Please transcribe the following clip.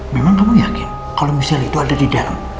memang kamu yakin kalau misalnya itu ada di dalam